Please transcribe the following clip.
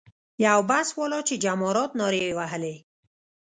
یو بس والا چې جمارات نارې یې وهلې.